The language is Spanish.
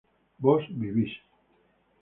vos vivís